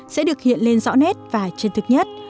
sẽ được hiện lên rõ nét và chân thực nhất